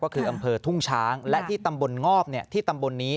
ก็คืออำเภอทุ่งช้างและที่ตำบลงอบที่ตำบลนี้